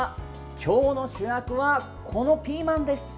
今日の主役はこのピーマンです。